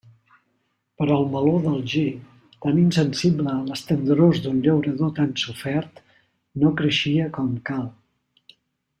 Però el meló d'Alger, tan insensible a les tendrors d'un llaurador tan sofert, no creixia com cal.